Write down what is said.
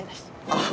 あっ。